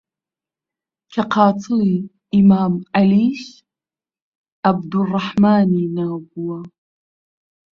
کە قاتڵی ئیمام عەلیش عەبدوڕڕەحمانی ناو بووە